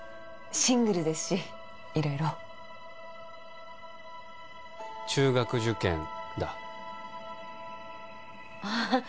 シングルですし色々中学受験だああ